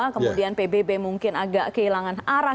kemudian pbb mungkin agak kehilangan arah